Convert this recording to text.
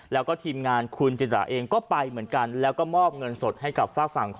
แล้วก็ทีมงานคุณจิตราเองก็ไปเหมือนกัน